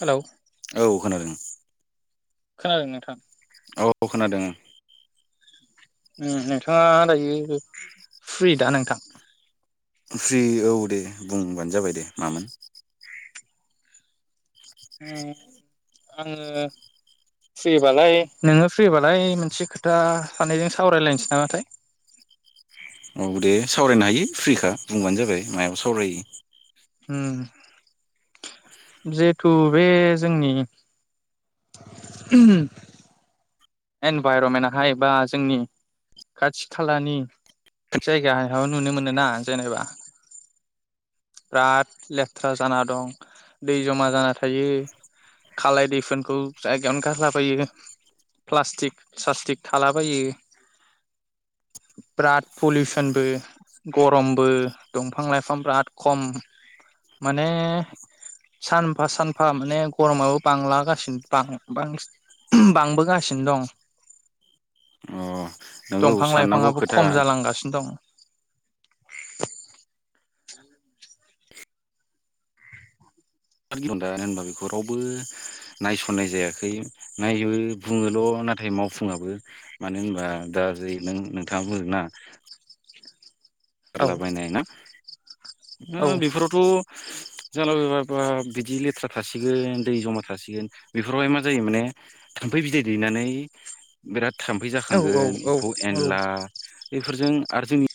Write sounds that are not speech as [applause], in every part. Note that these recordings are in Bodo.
हेलौ औ खोनादों [inaudible] खोनादों नोंथां औ खोनादों ओं ओं नोंथांङा दायो फ्रि दा नोंथां फ्रि औ दे बुंबानो जाबाय दे मामोन ओं आंङो फ्रिबालाय नोंङो फ्रिबालाय मोनसे खोथा सानैजों सावरायलायनोसै नामाथाय औ दे सावरायनो हायो फ्रिखा बुंबानो जाबाय मायाव सावरायो [inaudible] होम जिहेथु बे जोंनि ओम इनभाइरमेन्टाहाय बा जोंनि खाथि खालानि जायगायाव नुनो मोनोना जेनेबा बिराद लेथ्रा जाना दं दै जमा जाना थायो खालाय दैखौनखौ जायगायावनो गारलाबायो प्लास्टिक सासस्टिक थालाबायो बिराद पलिउसनबो गरमबो दंफां लाइफां बिराद खम माने सानफा सानफा माने गरमाबो बांलागासिनो बां बां बांबोगासिनो सिनो दं अ नंगौ दंफां साननांगौ लाइफांङाबो खोथा खम जालांगासिनो दं दानो होनबा बेखौ रावबो नायसननाय जायाखै नायो बुंङोल नाथाय मावफुंङाबो मानो होनबा दा जै नों नोंथांङा बुंङोना औ गारलाबायनाय ना औ ओ बेफोरावथ जालाबायबा बिदि लेथ्रा थासिगोन दै जमा थासिगोन बेफोरावहाय मा जायो माने थाम्फै बिदै दैनानै बिराद थाम्फै औ औ जाखांगोन औ एम्फौ औ एनला बेफोरजों आरो जोंनि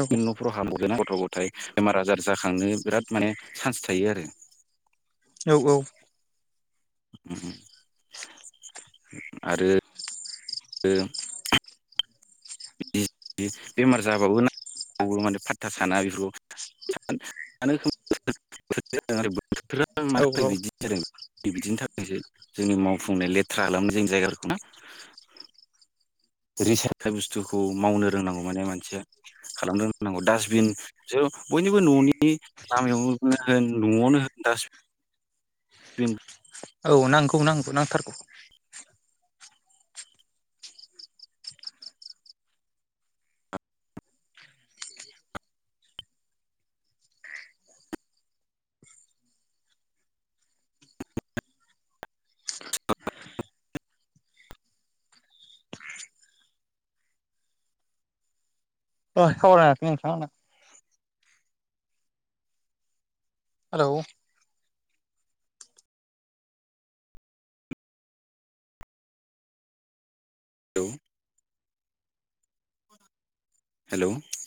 औ [unintelligible] नाथाय बेमार आजार जाखांनो बिराद माने सान्स थायो आरो। औ औ। उम उम आरो बिदि बेमार जाबाबो माने औ [unintelligible] [unintelligible] बिदिनि थाखायसो जोंनि मावफुंनाय लेथ्रा खालामो जोंनि जायगाफोरखौ ना? [unintelligible] बुस्थुखौ मावनो रोंनांगौ माने मानसिया खालामनो रोंनांगौ डासबिन जो बयनिबो न'नि लामायाव नो होन नआवनो होन डासबिन औ नांगौ नांगौ नांथारगौ। औ सावरायनो हासिगोन नोंथांङा आंजों। हेलौ। औ। हेलौ।